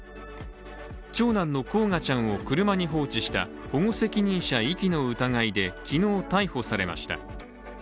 長男の煌翔ちゃんを車に放置した保護責任者遺棄の疑いで昨日、逮捕されました。